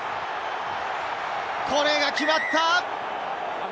これが決まった！